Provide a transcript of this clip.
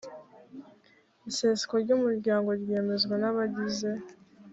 iseswa ry umuryango ryemezwa n abagize